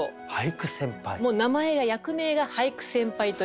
もう名前が役名が俳句先輩といいまして。